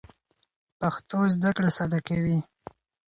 پښتو زده کړه ساده کوي.